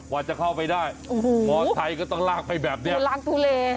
ว่าจะเข้าไปได้โอ้โหไทยก็ต้องลากไปแบบนี้ทุลักทุเล